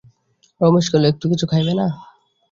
রমেশ কহিল, একটু কিছু খাইবে না?